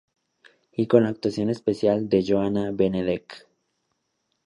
Y con la actuación especial de Joana Benedek.